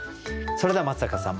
それでは松坂さん